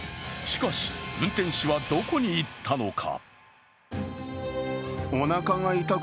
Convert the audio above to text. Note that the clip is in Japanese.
しかし、運転手はどこに行ったのか？